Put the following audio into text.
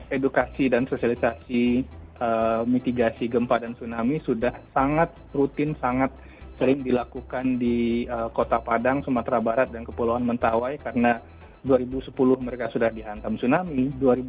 edukasi dan sosialisasi mitigasi gempa dan tsunami sudah sangat rutin sangat sering dilakukan di kota padang sumatera barat dan kepulauan mentawai karena dua ribu sepuluh mereka sudah dihantam tsunami